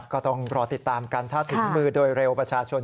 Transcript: ก็ต้องรอติดตามกันถ้าถึงมือโดยเร็วประชาชน